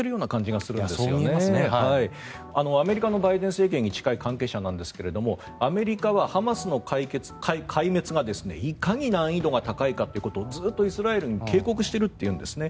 アメリカのバイデン政権に近い関係者ですがアメリカはハマスの壊滅がいかに難易度が高いかということをずっとイスラエルに警告しているというんですね。